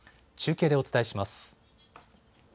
中継でお伝えします。